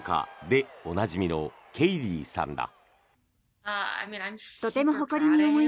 でおなじみのケイリーさんだ。